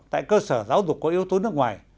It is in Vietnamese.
tại cơ sở giáo dục có yếu tố nước ngoài